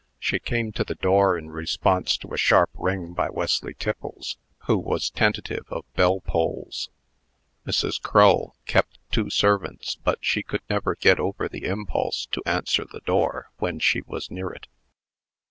She came to the door in response to a sharp ring by Wesley Tiffles, who was tentative of bellpulls. Mrs. Crull kept two servants, but she could never get over the impulse to answer the door, when she was near it.